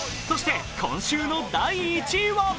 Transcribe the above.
そして、今週の第１位は？